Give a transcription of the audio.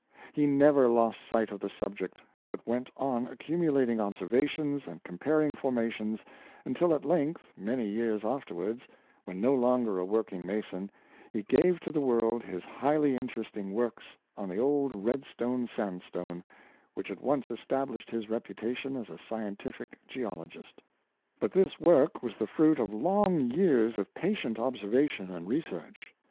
He never lost sight of the subject, but went on accu mulating observations and comparing formations, until at length many years afterwards, when no longer a workmg mason, he gave to the world his highly inter esting work on the Old Red Sandstone, which at once established his reputation as a scientific geologist. But 27 J Robert Dick. this work was the fruit of long years of patient obser vation and research.